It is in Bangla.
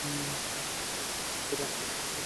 যদিও সকল কোরআন কে মেনে চলে।